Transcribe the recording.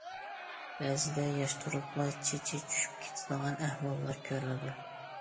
بەزىدە ياش تۇرۇپلا چېچى چۈشۈپ كېتىدىغان ئەھۋاللار كۆرۈلىدۇ.